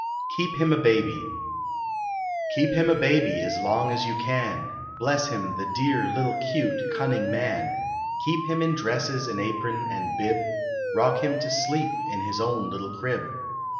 KEEP HIM A BABY Keep him a baby as long as you can ; Bless him, the dear little, cute, cunning man ! Keep him in dresses, and apron, and bib ; Rock him to sleep in his own little crib.